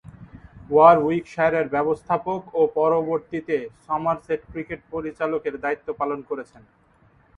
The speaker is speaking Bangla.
ওয়ারউইকশায়ারের ব্যবস্থাপক ও পরবর্তীতে সমারসেটের ক্রিকেট পরিচালকের দায়িত্ব পালন করছেন।